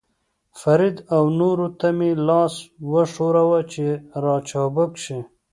فرید او نورو ته مې لاس وښوراوه، چې را چابک شي.